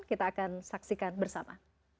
kita akan saksikan bersama